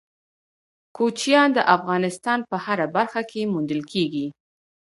کوچیان د افغانستان په هره برخه کې موندل کېږي.